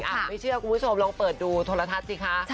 ไม่เชื่อคุณผู้ชมลองเปิดดูโทรทัศน์สิคะ